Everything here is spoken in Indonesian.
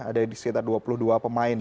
ada di sekitar dua puluh dua pemain